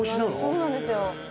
そうなんですよ。